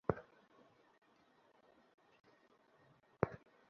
তোমার এখানে আসার কথা না কেন?